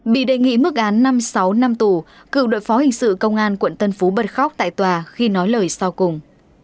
bị đề nghị mức án năm sáu năm tù cựu đội phó hình sự công an quận tân phú bật khóc tại tòa khi nói lời sau cùng